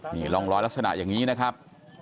นี่ร่องรอยลักษณะอย่างนี้นะครับ